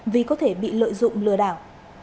vì có thể bị lợi dụng lừa đảo